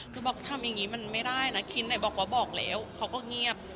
คือบอกทำอย่างนี้มันไม่ได้นะคินบอกว่าบอกแล้วเขาก็เงียบ